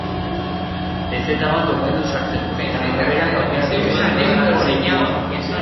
Pezeta bat ordaindu sartzeko, eta norberak aukeratzen zuen lotarako lekua.